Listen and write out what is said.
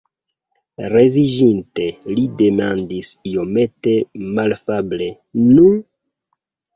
Leviĝinte li demandis iomete malafable: "Nu?"